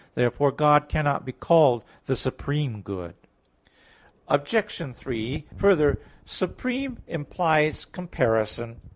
Therefore God cannot be called the supreme good. Obj. 3: Further, supreme implies comparison.